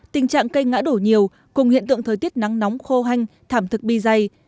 tình trạng cây ngã đổ nhiều cùng hiện tượng thời tiết nắng nóng khô hanh thảm thực bị dày